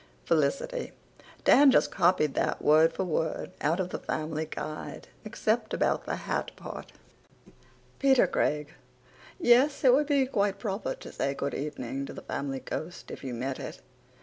(FELICITY: "Dan just copied that word for word out of the Family Guide, except about the hat part.") P r C g: Yes, it would be quite proper to say good evening to the family ghost if you met it.